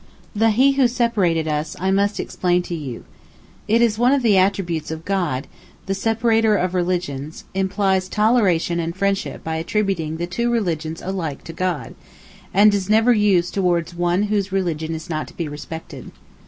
The 'He who separated us' I must explain to you. It is one of the attributes of God, The Separator of Religions implies toleration and friendship by attributing the two religions alike to God—and is never used towards one whose religion is not to be respected.